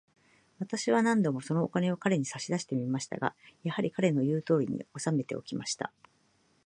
私は何度も、そのお金を彼に差し出してみましたが、やはり、彼の言うとおりに、おさめておきました。